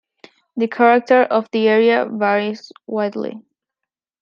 The character of the area varies widely.